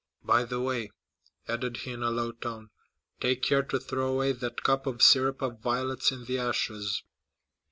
By the way," added he in a low tone, "take care to throw away that cup of syrup of violets in the ashes."